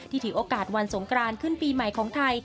ที่ถือกาศวันสงครานขึ้นปีใหม่ของไทย